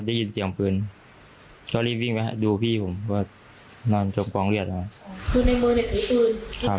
แล้วได้ยินเสียงของปืนก็รีบวิ่งไปเหาะดูพี่ผมเพราะว่านอนจบปองเลือดนะครับ